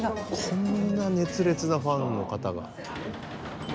こんな熱烈なファンの方が。